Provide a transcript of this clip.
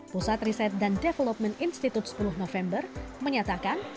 pusat riset dan development institut sepuluh november menyatakan